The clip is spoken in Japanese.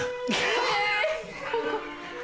え！